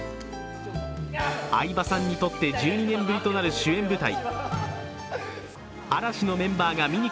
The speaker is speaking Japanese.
相葉さんにとって１２年ぶりとなる主演舞台。